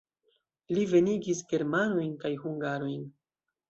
Li venigis germanojn kaj hungarojn.